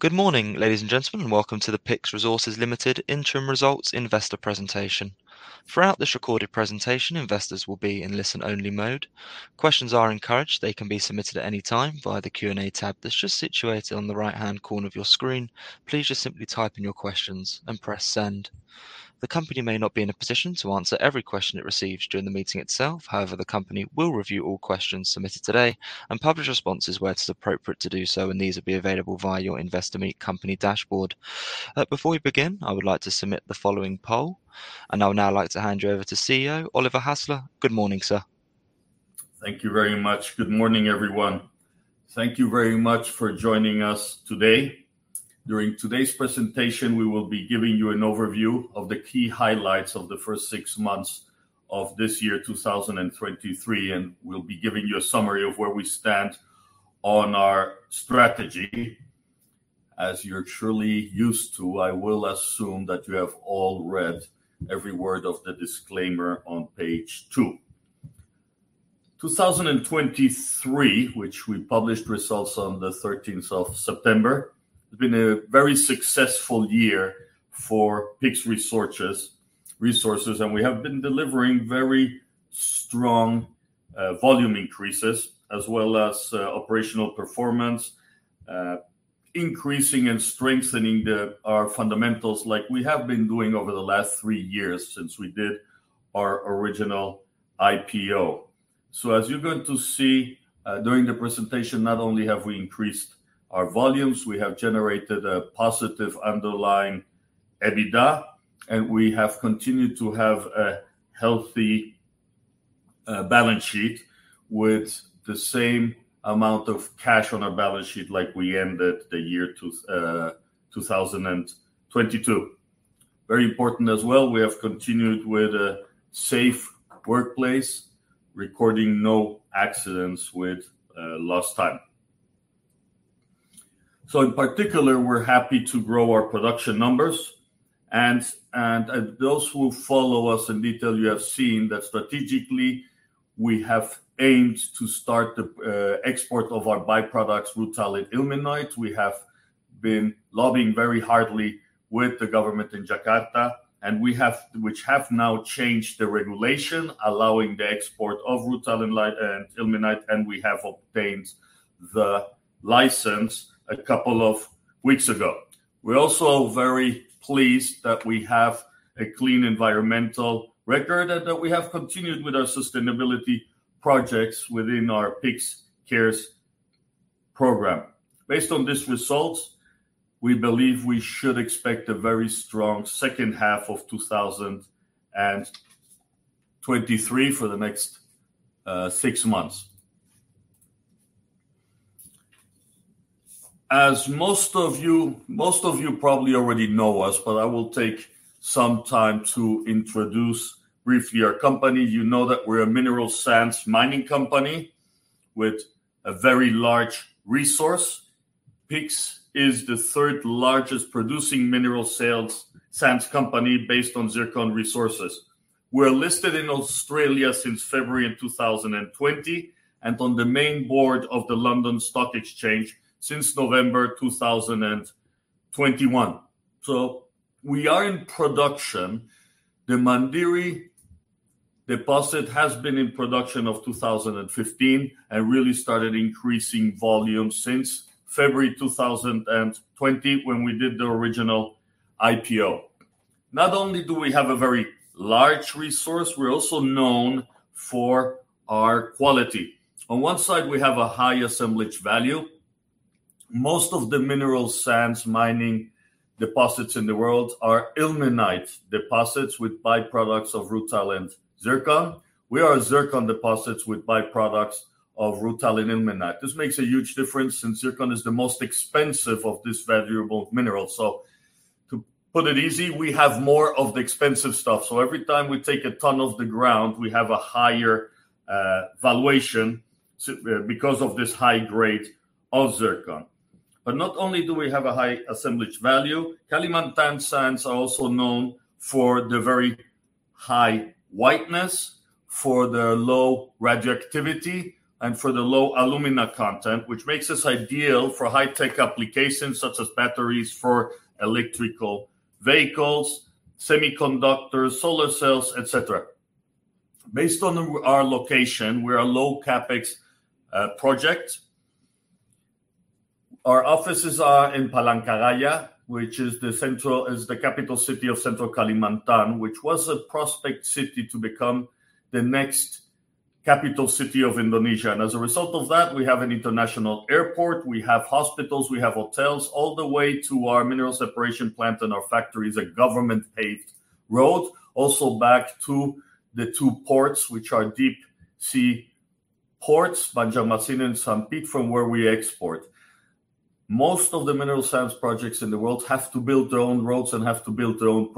Good morning, ladies and gentlemen, and welcome to the PYX Resources Limited Interim Results Investor Presentation. Throughout this recorded presentation, investors will be in listen-only mode. Questions are encouraged. They can be submitted at any time via the Q&A tab that's just situated on the right-hand corner of your screen. Please just simply type in your questions and press Send. The company may not be in a position to answer every question it receives during the meeting itself. However, the company will review all questions submitted today and publish responses where it's appropriate to do so, and these will be available via your Investor Meet company dashboard. Before we begin, I would like to submit the following poll, and I would now like to hand you over to CEO Oliver B. Hasler. Good morning, sir. Thank you very much. Good morning, everyone. Thank you very much for joining us today. During today's presentation, we will be giving you an overview of the key highlights of the first six months of this year, 2023, and we'll be giving you a summary of where we stand on our strategy. As you're truly used to, I will assume that you have all read every word of the disclaimer on page 2. 2023, which we published results on the 13th of September, has been a very successful year for PYX Resources, and we have been delivering very strong volume increases as well as operational performance increasing and strengthening our fundamentals like we have been doing over the last three years since we did our original IPO. As you're going to see, during the presentation, not only have we increased our volumes, we have generated a positive underlying EBITDA, and we have continued to have a healthy balance sheet with the same amount of cash on our balance sheet like we ended the year 2022. Very important as well, we have continued with a safe workplace, recording no accidents with lost time. In particular, we're happy to grow our production numbers and those who follow us in detail, you have seen that strategically we have aimed to start the export of our byproducts, rutile and ilmenite. We have been lobbying very hard with the government in Jakarta, which has now changed the regulation, allowing the export of rutile and ilmenite, and we have obtained the license a couple of weeks ago. We're also very pleased that we have a clean environmental record and that we have continued with our sustainability projects within our PYX Cares program. Based on these results, we believe we should expect a very strong second half of 2023 for the next six months. As most of you probably already know us, but I will take some time to introduce briefly our company. You know that we're a mineral sands mining company with a very large resource. PYX is the third-largest producing mineral sands company based on zircon resources. We're listed in Australia since February of 2020, and on the main board of the London Stock Exchange since November 2021. We are in production. The Mandiri deposit has been in production since 2015 and really started increasing volume since February 2020 when we did the original IPO. Not only do we have a very large resource, we're also known for our quality. On one side, we have a high assemblage value. Most of the mineral sands mining deposits in the world are ilmenite deposits with byproducts of rutile and zircon. We are zircon deposits with byproducts of rutile and ilmenite. This makes a huge difference since zircon is the most expensive of this valuable mineral. To put it easy, we have more of the expensive stuff. Every time we take a ton off the ground, we have a higher valuation because of this high grade of zircon. Not only do we have a high assemblage value, Kalimantan sands are also known for the very high whiteness, for their low radioactivity, and for the low alumina content, which makes this ideal for high-tech applications such as batteries for electric vehicles, semiconductors, solar cells, et cetera. Based on our location, we're a low CapEx project. Our offices are in Palangkaraya, which is the capital city of Central Kalimantan, which was a prospect city to become the next capital city of Indonesia. As a result of that, we have an international airport, we have hospitals, we have hotels, all the way to our mineral separation plant and our factories, a government-paved road. Also back to the two ports, which are deep sea ports, Banjarmasin and Sampit, from where we export. Most of the mineral sands projects in the world have to build their own roads and have to build their own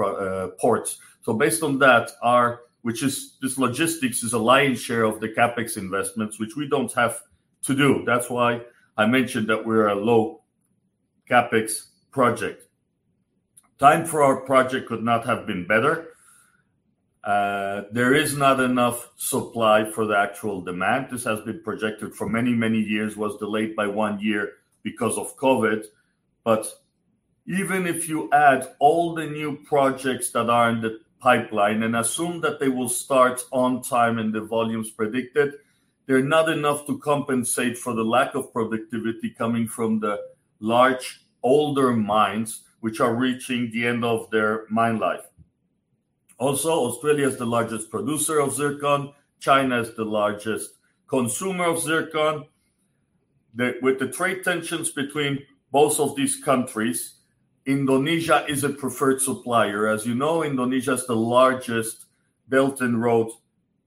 ports. Based on that, our, which is this logistics is a lion's share of the CapEx investments, which we don't have to do. That's why I mentioned that we're a low CapEx project. The time for our project could not have been better. There is not enough supply for the actual demand. This has been projected for many, many years. It was delayed by one year because of COVID. Even if you add all the new projects that are in the pipeline and assume that they will start on time and the volume's predicted, they're not enough to compensate for the lack of productivity coming from the large older mines which are reaching the end of their mine life. Also, Australia is the largest producer of zircon. China is the largest consumer of zircon. With the trade tensions between both of these countries, Indonesia is a preferred supplier. As you know, Indonesia is the largest Belt and Road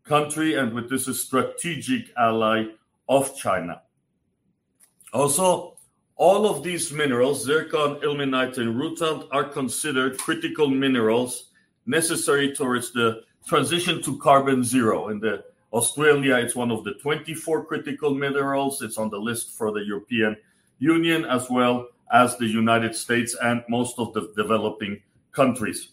country, and with this, a strategic ally of China. Also, all of these minerals, zircon, ilmenite and rutile, are considered critical minerals necessary towards the transition to carbon zero. In Australia, it's one of the 24 critical minerals. It's on the list for the European Union, as well as the United States and most of the developing countries.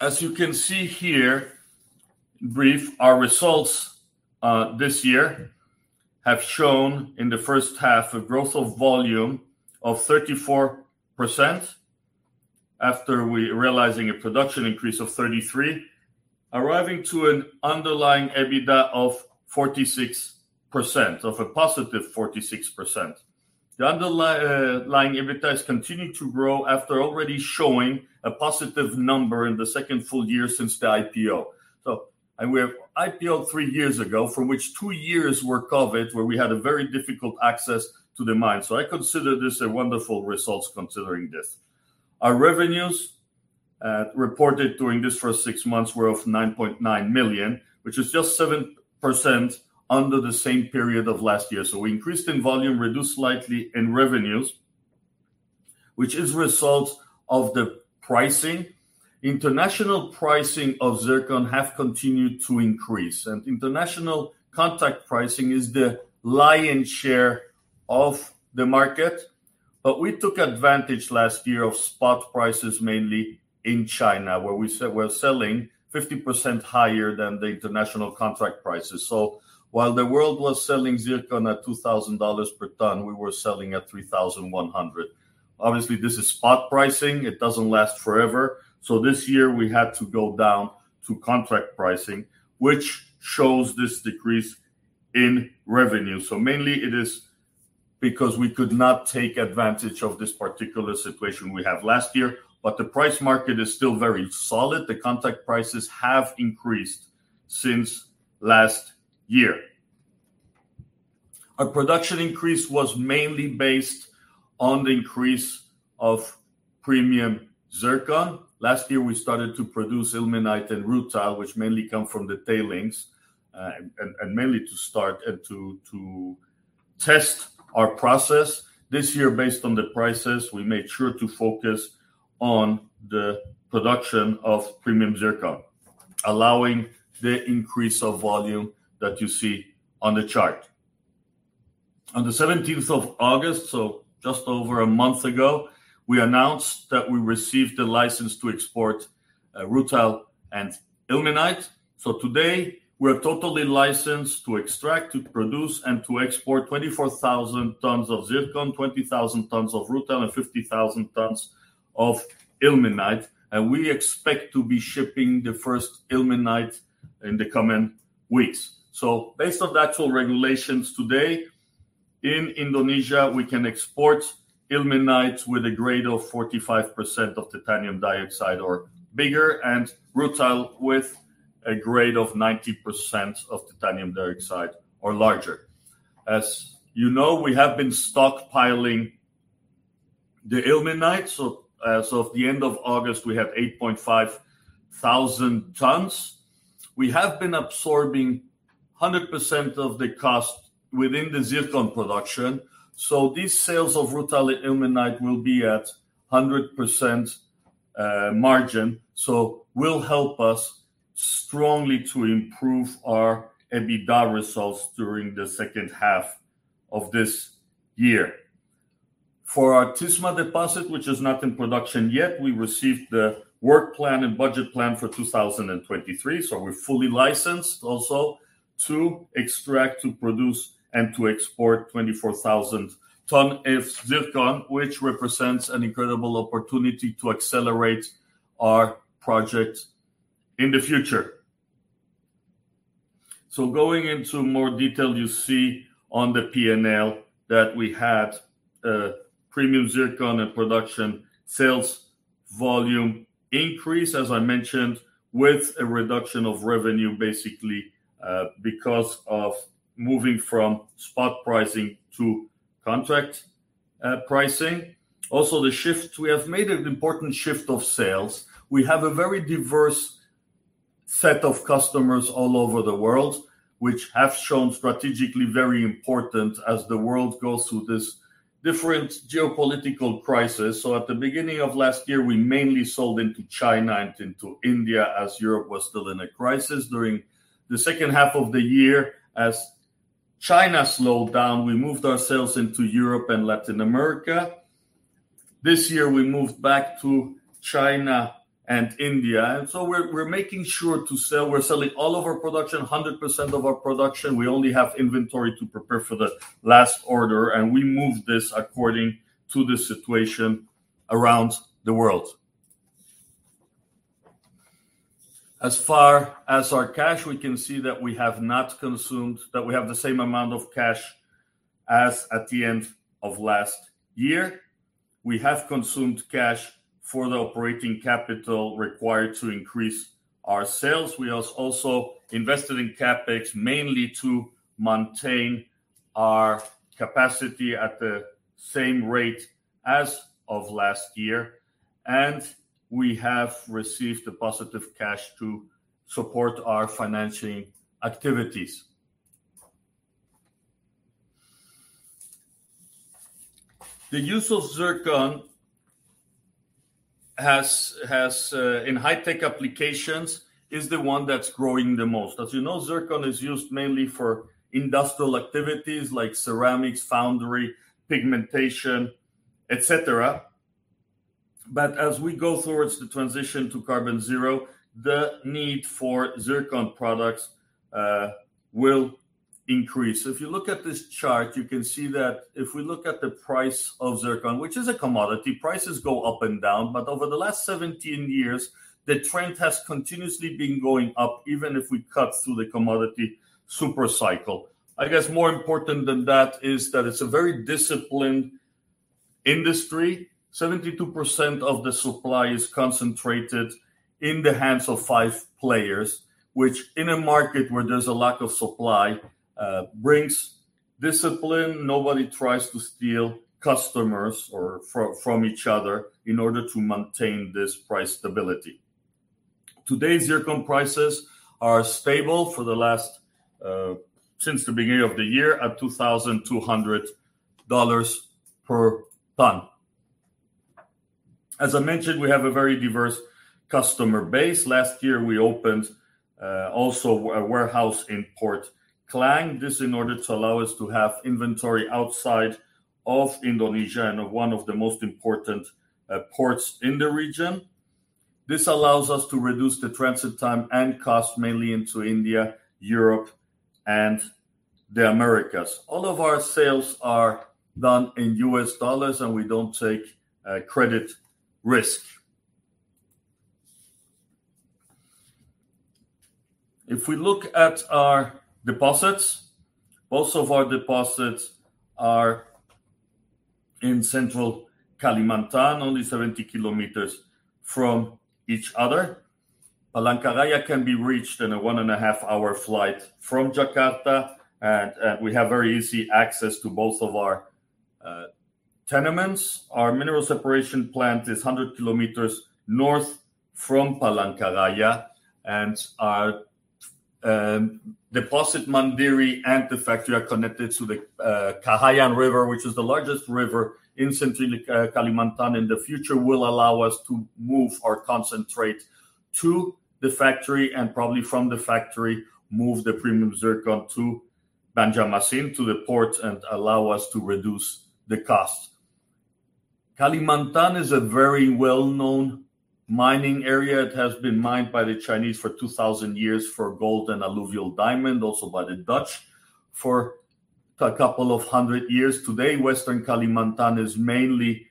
As you can see here, in brief, our results this year have shown in the first half a growth of volume of 34%, after we realizing a production increase of 33, arriving to an underlying EBITDA of 46%, a positive 46%. The underlying EBITDA has continued to grow after already showing a positive number in the second full-year since the IPO. We have IPOed three years ago, from which two years were COVID, where we had a very difficult access to the mine. I consider this a wonderful results considering this. Our revenues reported during this first six months were of $9.9 million, which is just 7% under the same period of last year. We increased in volume, reduced slightly in revenues, which is a result of the pricing. International pricing of zircon have continued to increase, and international contract pricing is the lion's share of the market. We took advantage last year of spot prices, mainly in China, where we were selling 50% higher than the international contract prices. While the world was selling zircon at $2,000 per ton, we were selling at $3,100. Obviously, this is spot pricing. It doesn't last forever. This year we had to go down to contract pricing, which shows this decrease in revenue. Mainly it is because we could not take advantage of this particular situation we had last year, but the price market is still very solid. The contract prices have increased since last year. Our production increase was mainly based on the increase of premium zircon. Last year, we started to produce ilmenite and rutile, which mainly come from the tailings, and mainly to test our process. This year, based on the prices, we made sure to focus on the production of premium zircon, allowing the increase of volume that you see on the chart. On the 17th of August, just over a month ago, we announced that we received a license to export rutile and ilmenite. Today, we're totally licensed to extract, to produce, and to export 24,000 tons of zircon, 20,000 tons of rutile, and 50,000 tons of ilmenite, and we expect to be shipping the first ilmenite in the coming weeks. Based on the actual regulations today, in Indonesia, we can export ilmenite with a grade of 45% titanium dioxide or bigger, and rutile with a grade of 90% titanium dioxide or larger. As you know, we have been stockpiling the ilmenite. As of the end of August, we have 8,500 tons. We have been absorbing 100% of the cost within the zircon production. These sales of rutile and ilmenite will be at 100% margin, so will help us strongly to improve our EBITDA results during the second half of this year. For our Tisma deposit, which is not in production yet, we received the work plan and budget plan for 2023, so we're fully licensed also to extract, to produce, and to export 24,000 tons of zircon, which represents an incredible opportunity to accelerate our project in the future. Going into more detail, you see on the P&L that we had premium zircon and production sales volume increase, as I mentioned, with a reduction of revenue, basically, because of moving from spot pricing to contract pricing. Also, we have made an important shift of sales. We have a very diverse set of customers all over the world, which have shown strategically very important as the world goes through this different geopolitical crisis. At the beginning of last year, we mainly sold into China and into India as Europe was still in a crisis. During the second half of the year, as China slowed down, we moved ourselves into Europe and Latin America. This year we moved back to China and India. We're making sure to sell. We're selling all of our production, 100% of our production. We only have inventory to prepare for the last order, and we move this according to the situation around the world. As far as our cash, we can see that we have the same amount of cash as at the end of last year. We have consumed cash for the operating capital required to increase our sales. We also invested in CapEx mainly to maintain our capacity at the same rate as of last year, and we have received a positive cash to support our financing activities. The use of zircon has in high-tech applications, is the one that's growing the most. As you know, zircon is used mainly for industrial activities like ceramics, foundry, pigmentation, et cetera. As we go towards the transition to carbon zero, the need for zircon products will increase. If you look at this chart, you can see that if we look at the price of zircon, which is a commodity, prices go up and down. Over the last 17 years, the trend has continuously been going up, even if we cut through the commodity super cycle. I guess more important than that is that it's a very disciplined industry. 72% of the supply is concentrated in the hands of five players, which in a market where there's a lack of supply brings discipline. Nobody tries to steal customers or from each other in order to maintain this price stability. Today's zircon prices are stable for the last since the beginning of the year at $2,200 per ton. As I mentioned, we have a very diverse customer base. Last year, we opened also a warehouse in Port Klang. This in order to allow us to have inventory outside of Indonesia and one of the most important ports in the region. This allows us to reduce the transit time and cost mainly into India, Europe, and the Americas. All of our sales are done in US dollars, and we don't take credit risk. If we look at our deposits, most of our deposits are in Central Kalimantan, only 70 km from each other. Palangkaraya can be reached in a 1.5-hour flight from Jakarta. We have very easy access to both of our tenements. Our mineral separation plant is 100 km north from Palangkaraya, and our deposit Mandiri and the factory are connected to the Kahayan River, which is the largest river in Central Kalimantan, in the future will allow us to move our concentrate to the factory, and probably from the factory, move the premium zircon to Banjarmasin, to the port, and allow us to reduce the cost. Kalimantan is a very well-known mining area. It has been mined by the Chinese for 2,000 years for gold and alluvial diamond, also by the Dutch for a couple of hundred years. Today, West Kalimantan is mainly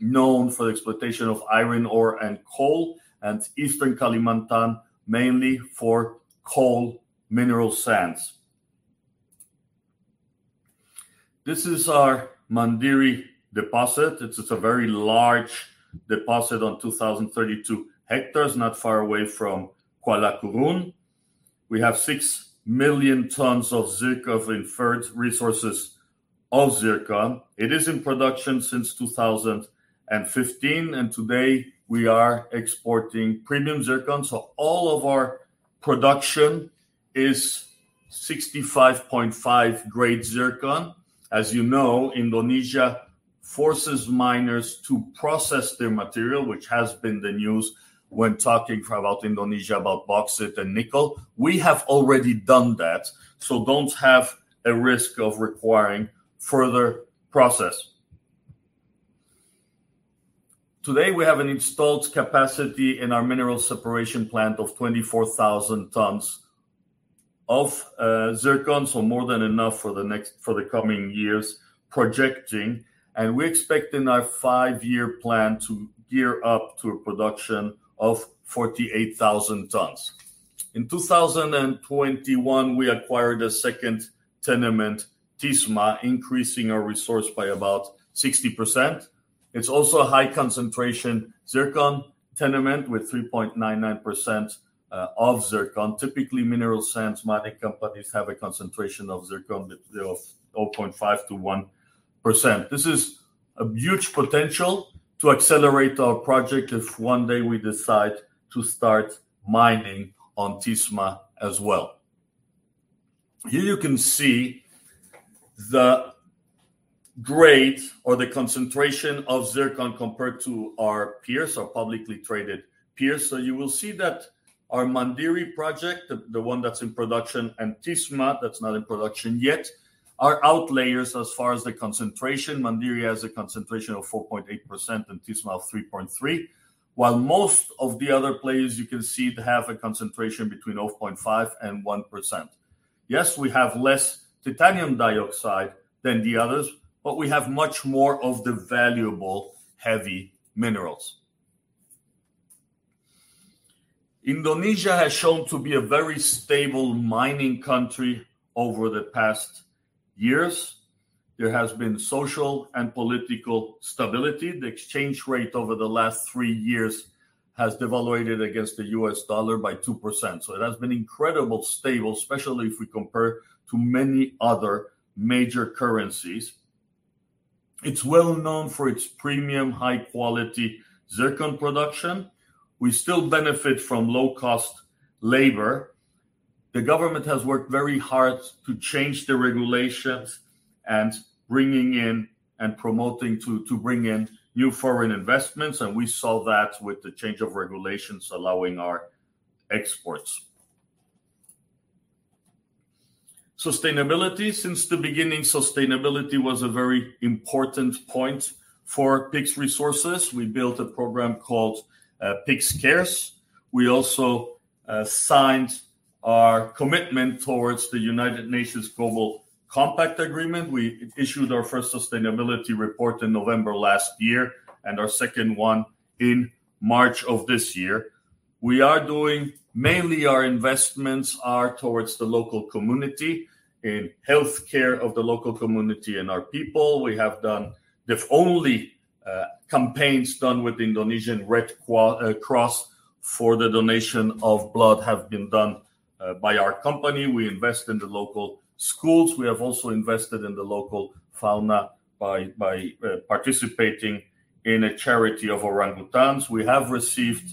known for the exploitation of iron ore and coal, and East Kalimantan mainly for coal and mineral sands. This is our Mandiri deposit. It's a very large deposit on 2,032 hectares, not far away from Kuala Kurun. We have 6 million tons of zircon of inferred resources of zircon. It is in production since 2015, and today we are exporting premium zircon. All of our production is 65.5 grade zircon. As you know, Indonesia forces miners to process their material, which has been the news when talking about Indonesia, about bauxite and nickel. We have already done that, so don't have a risk of requiring further process. Today, we have an installed capacity in our mineral separation plant of 24,000 tons of zircon, so more than enough for the coming years, projecting. We expect in our five-year plan to gear up to a production of 48,000 tons. In 2021, we acquired a second tenement, Tisma, increasing our resource by about 60%. It's also a high-concentration zircon tenement with 3.99% of zircon. Typically, mineral sands mining companies have a concentration of zircon between 0.5%-1%. This is a huge potential to accelerate our project if one day we decide to start mining on Tisma as well. Here you can see the grade or the concentration of zircon compared to our peers, our publicly traded peers. You will see that our Mandiri project, the one that's in production, and Tisma, that's not in production yet, are outliers as far as the concentration. Mandiri has a concentration of 4.8% and Tisma of 3.3%, while most of the other players you can see they have a concentration between 0.5% and 1%. Yes, we have less titanium dioxide than the others, but we have much more of the valuable heavy minerals. Indonesia has shown to be a very stable mining country over the past years. There has been social and political stability. The exchange rate over the last three years has devalued against the U.S. dollar by 2%, so it has been incredibly stable, especially if we compare to many other major currencies. It's well known for its premium high quality zircon production. We still benefit from low-cost labor. The government has worked very hard to change the regulations and bringing in and promoting to bring in new foreign investments, and we saw that with the change of regulations allowing our exports. Sustainability. Since the beginning, sustainability was a very important point for PYX Resources. We built a program called PYX Cares. We also signed our commitment towards the United Nations Global Compact. We issued our first sustainability report in November last year, and our second one in March of this year. We are doing mainly our investments are towards the local community, in healthcare of the local community and our people. We have done the only campaigns done with Indonesian Red Cross for the donation of blood have been done by our company. We invest in the local schools. We have also invested in the local fauna by participating in a charity of orangutans. We have received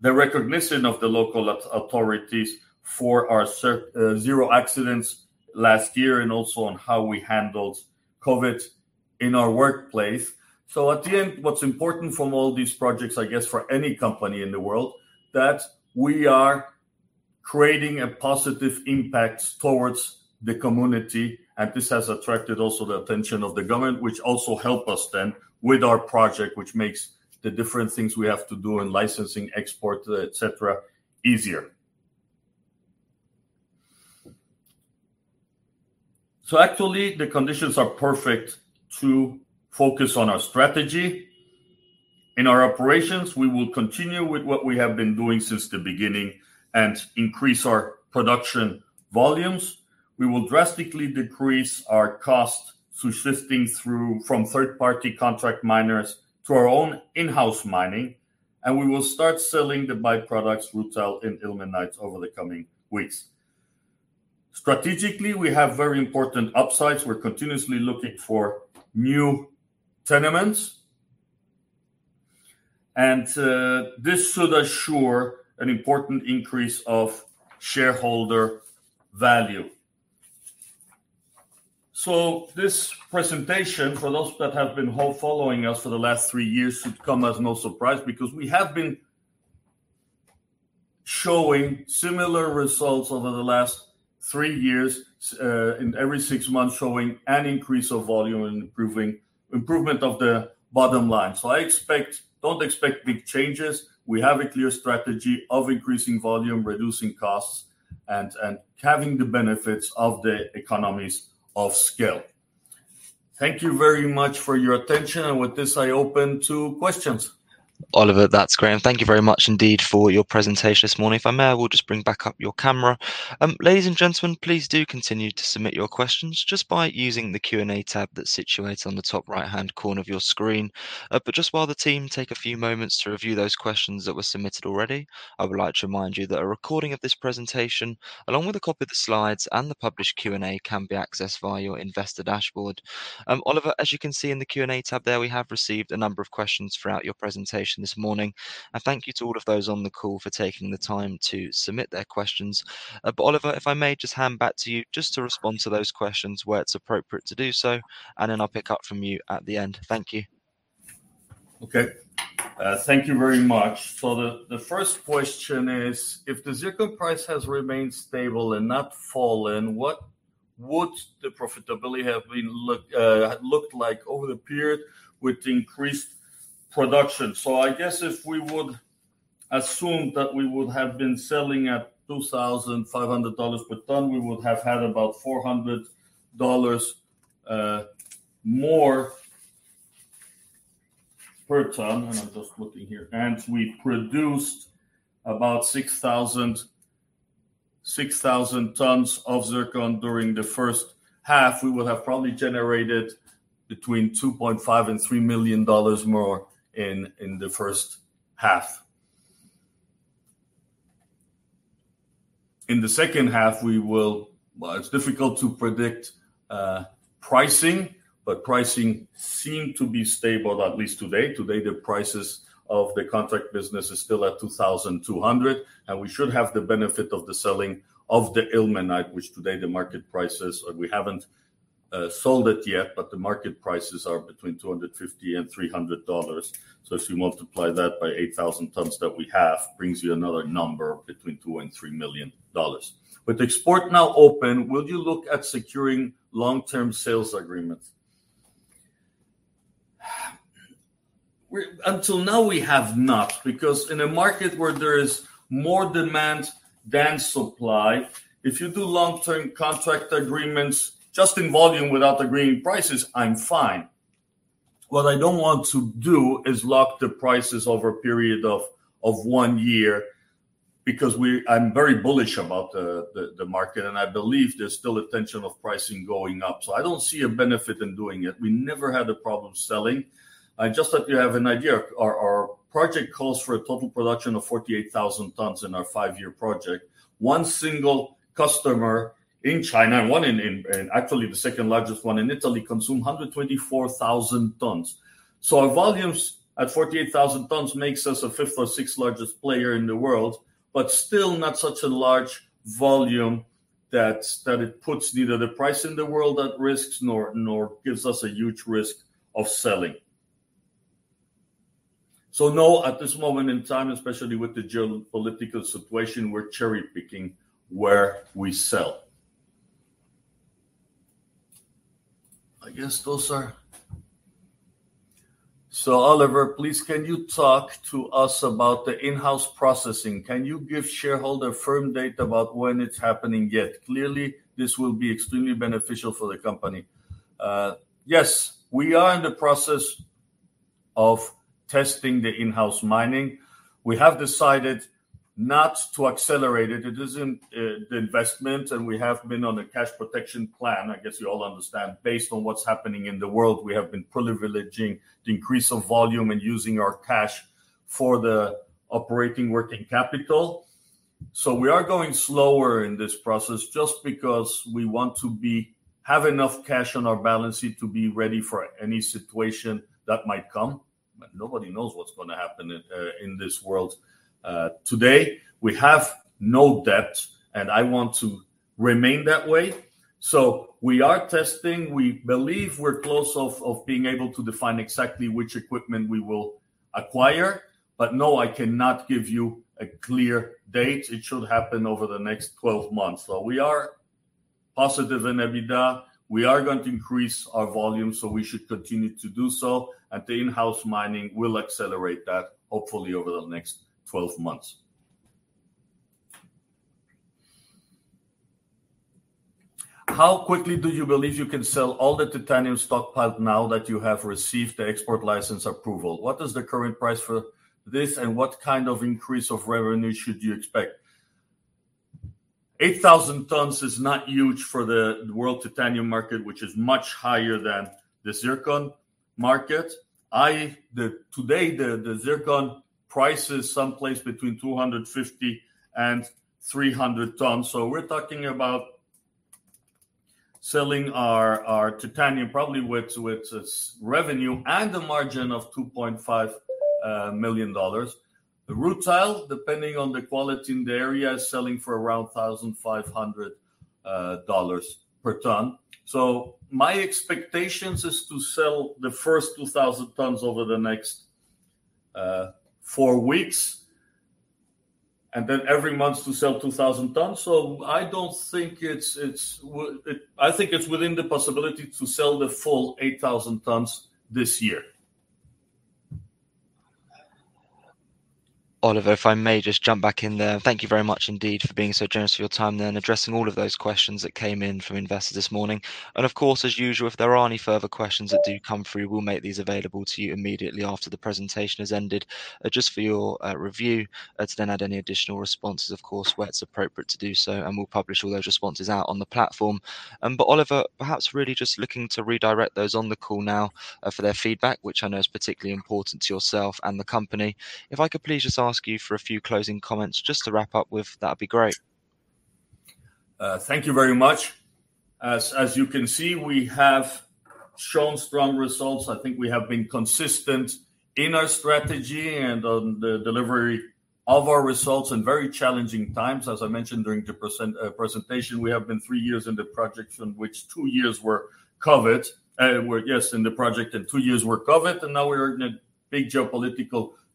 the recognition of the local authorities for our zero accidents last year and also on how we handled COVID in our workplace. At the end, what's important from all these projects, I guess for any company in the world, that we are creating a positive impact towards the community, and this has attracted also the attention of the government, which also help us then with our project, which makes the different things we have to do in licensing, export, et cetera, easier. Actually, the conditions are perfect to focus on our strategy. In our operations, we will continue with what we have been doing since the beginning and increase our production volumes. We will drastically decrease our cost through shifting from third-party contract miners to our own in-house mining, and we will start selling the byproducts rutile and ilmenite over the coming weeks. Strategically, we have very important upsides. We're continuously looking for new tenements, and this should assure an important increase of shareholder value. This presentation, for those that have been following us for the last three years, should come as no surprise because we have been showing similar results over the last three years, and every six months showing an increase of volume and improvement of the bottom line. Don't expect big changes. We have a clear strategy of increasing volume, reducing costs, and having the benefits of the economies of scale. Thank you very much for your attention, and with this, I open to questions. Oliver, that's great, and thank you very much indeed for your presentation this morning. If I may, I will just bring back up your camera. Ladies and gentlemen, please do continue to submit your questions just by using the Q&A tab that's situated on the top right-hand corner of your screen. Just while the team take a few moments to review those questions that were submitted already, I would like to remind you that a recording of this presentation, along with a copy of the slides and the published Q&A, can be accessed via your investor dashboard. Oliver, as you can see in the Q&A tab there, we have received a number of questions throughout your presentation this morning. Thank you to all of those on the call for taking the time to submit their questions. Oliver, if I may just hand back to you just to respond to those questions where it's appropriate to do so, and then I'll pick up from you at the end. Thank you. Okay. Thank you very much. The first question is: If the zircon price has remained stable and not fallen, what would the profitability have looked like over the period with increased production? I guess if we would assume that we would have been selling at $2,500 per ton, we would have had about $400 more per ton. I'm just looking here. We produced about 6,000 tons of zircon during the first half. We would have probably generated between $2.5 million and $3 million more in the first half. In the second half, it's difficult to predict pricing, but pricing seems to be stable, at least today. Today, the prices of the contract business is still at 2,200, and we should have the benefit of the selling of the ilmenite, which today the market price is. We haven't sold it yet, but the market prices are between $250-$300. If you multiply that by 8,000 tons that we have, brings you another number between $2 million-$3 million. With export now open, will you look at securing long-term sales agreements? Until now we have not, because in a market where there is more demand than supply, if you do long-term contract agreements just in volume without agreeing prices, I'm fine. What I don't want to do is lock the prices over a period of one year because I'm very bullish about the market, and I believe there's still a tension of pricing going up. I don't see a benefit in doing it. We never had a problem selling. Just so that you have an idea, our project calls for a total production of 48,000 tons in our five-year project. One single customer in China, one in and actually the second largest one in Italy consumes 124,000 tons. Our volumes at 48,000 tons makes us the fifth or sixth largest player in the world, but still not such a large volume that it puts neither the price in the world at risk nor gives us a huge risk of selling. No, at this moment in time, especially with the geopolitical situation, we're cherry-picking where we sell. Oliver, please can you talk to us about the in-house processing? Can you give shareholder firm data about when it's happening yet? Clearly, this will be extremely beneficial for the company. Yes, we are in the process of testing the in-house mining. We have decided not to accelerate it. It isn't the investment, and we have been on a cash protection plan. I guess you all understand, based on what's happening in the world, we have been privileging the increase of volume and using our cash for the operating working capital. We are going slower in this process just because we want to have enough cash on our balance sheet to be ready for any situation that might come, but nobody knows what's gonna happen in this world. Today we have no debt, and I want to remain that way. We are testing. We believe we're close to being able to define exactly which equipment we will acquire. No, I cannot give you a clear date. It should happen over the next 12 months. We are positive in EBITDA. We are going to increase our volume, so we should continue to do so, and the in-house mining will accelerate that hopefully over the next 12 months. How quickly do you believe you can sell all the titanium stockpile now that you have received the export license approval? What is the current price for this, and what kind of increase of revenue should you expect? 8,000 tons is not huge for the world titanium market, which is much higher than the zircon market. Today, the zircon price is someplace between $250-$300 per ton. We're talking about selling our titanium probably with its revenue and a margin of $2.5 million. The rutile, depending on the quality in the area, is selling for around $1,500 per ton. My expectations is to sell the first 2,000 tons over the next four weeks, and then every month to sell 2,000 tons. I don't think it's within the possibility to sell the full 8,000 tons this year. Oliver, if I may just jump back in there. Thank you very much indeed for being so generous with your time there and addressing all of those questions that came in from investors this morning. Of course, as usual, if there are any further questions that do come through, we'll make these available to you immediately after the presentation has ended, just for your review. Let's add any additional responses, of course, where it's appropriate to do so, and we'll publish all those responses out on the platform. Oliver, perhaps really just looking to redirect those on the call now, for their feedback, which I know is particularly important to yourself and the company. If I could please just ask you for a few closing comments just to wrap up with, that'd be great. Thank you very much. As you can see, we have shown strong results. I think we have been consistent in our strategy and on the delivery of our results in very challenging times. As I mentioned during the presentation, we have been three years in the project, in which two years were COVID, and now we're in a big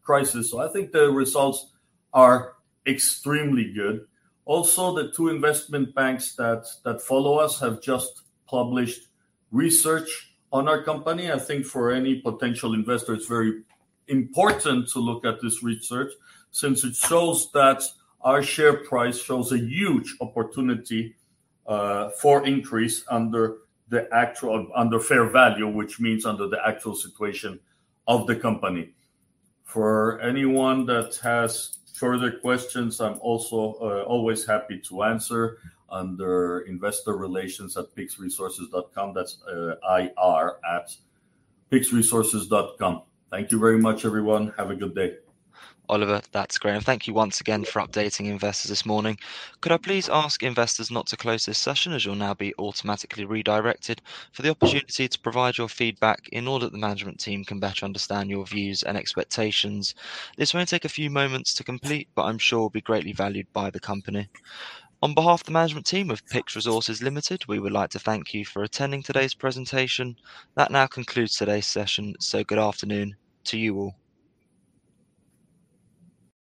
geopolitical crisis. I think the results are extremely good. Also, the two investment banks that follow us have just published research on our company. I think for any potential investor, it's very important to look at this research since it shows that our share price shows a huge opportunity for increase under fair value, which means under the actual situation of the company. For anyone that has further questions, I'm also always happy to answer under investor relations @pyxresources.com. That's ir@pyxresources.com. Thank you very much, everyone. Have a good day. Oliver, that's great. Thank you once again for updating investors this morning. Could I please ask investors not to close this session, as you'll now be automatically redirected, for the opportunity to provide your feedback in order that the management team can better understand your views and expectations. This may take a few moments to complete, but I'm sure will be greatly valued by the company. On behalf of the management team of PYX Resources Limited, we would like to thank you for attending today's presentation. That now concludes today's session, so good afternoon to you all.